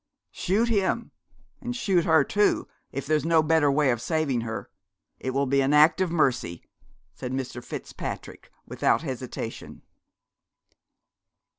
'Shoot him, and shoot her, too, if there's no better way of saving her. It will be an act of mercy,' said Mr. Fitzpatrick, without hesitation.